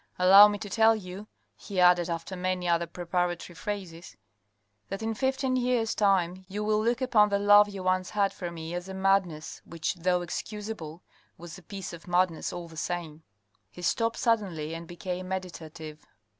Allow me to tell you," he added, " after many other preparatory phrases, that in fifteen years' time you will look upon the love you once had for me as a madness, which though excusable, was a piece of madness all the same." He stopped suddenly and became meditative.